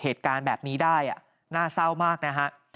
เหตุการณ์แบบนี้ได้น่าเศร้ามากนะฮะ